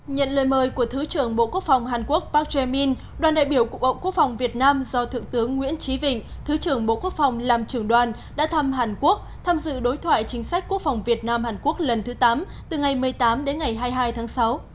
nhận lời mời của thứ trưởng bộ quốc phòng hàn quốc park jae min đoàn đại biểu cục bộ quốc phòng việt nam do thượng tướng nguyễn trí vịnh thứ trưởng bộ quốc phòng làm trưởng đoàn đã thăm hàn quốc tham dự đối thoại chính sách quốc phòng việt nam hàn quốc lần thứ tám từ ngày một mươi tám đến ngày hai mươi hai tháng sáu